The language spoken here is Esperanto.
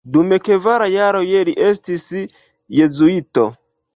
Dum kvar jaroj li estis jezuito.